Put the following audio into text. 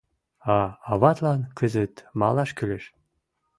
А аватлан кызыт малаш кӱлеш.